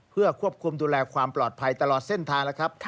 เพื่อควบคุมดูแลความปลอดภัยตลอดเส้นทางแล้วครับ